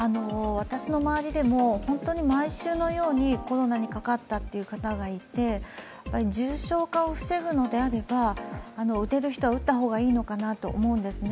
私の周りでも本当に毎週のようにコロナにかかったという方がいて、重症化を防ぐのであれば打てる人は打った方がいいのかなと思うんですね。